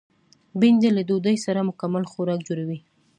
بېنډۍ له ډوډۍ سره مکمل خوراک جوړوي